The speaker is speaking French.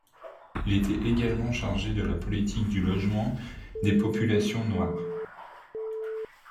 Il était également chargé de la politique du logement des populations noires.